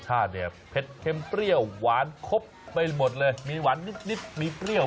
ใช่ของจังหวัดเลย